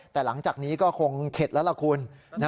แต่หลังจากนี้ก็คงเข็ดแล้วล่ะคุณ